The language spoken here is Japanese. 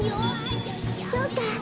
そうか。